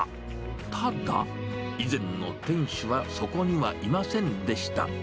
ただ、以前の店主はそこにはいませんでした。